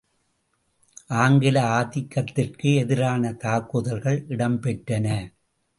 ஆங்கில ஆதிக்கத்திற்கு எதிரான தாக்குதல்கள் இடம்பெற்றன.